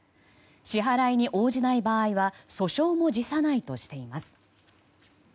支払いに応じない場合は訴訟も辞さないとしています。